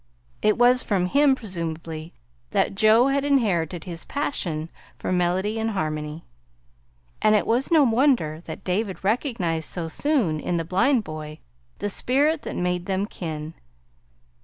It was from him, presumably, that Joe had inherited his passion for melody and harmony; and it was no wonder that David recognized so soon in the blind boy the spirit that made them kin.